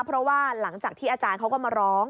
เพราะว่าหลังจากที่อาจารย์เขาก็มาร้อง